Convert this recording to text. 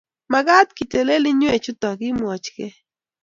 Magat ketelel iywechuto, kimwochkei